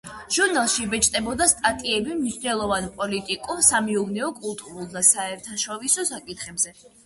ჟურნალში იბეჭდებოდა სტატიები მნიშვნელოვან პოლიტიკურ, სამეურნეო, კულტურულ და საერთაშორისო საკითხებზე.